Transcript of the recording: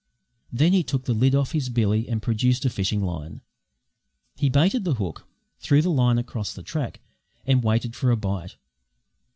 Then he took the lid off his billy and produced a fishing line. He baited the hook, threw the line across the track, and waited for a bite.